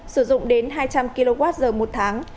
sử dụng đến hai trăm linh kwh một tháng